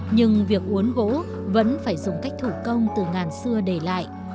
nhưng việc uốn gỗ vẫn phải dùng cách thủ công từ ngàn xưa để lại